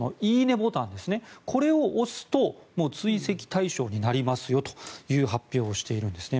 ボタンこれを押すと追跡対象になりますよという発表をしているんですね。